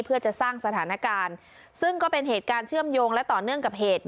เพื่อจะสร้างสถานการณ์ซึ่งก็เป็นเหตุการณ์เชื่อมโยงและต่อเนื่องกับเหตุ